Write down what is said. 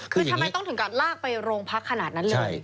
คือทำไมต้องถึงกับลากไปโรงพักขนาดนั้นเลย